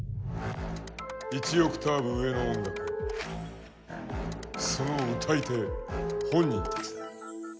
１オクターブ上の音楽その歌い手本人たちだ。